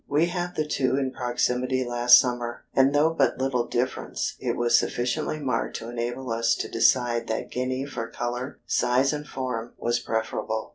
We had the two in proximity last summer, and though but little difference, it was sufficiently marked to enable us to decide that Guinea for color, size and form, was preferable.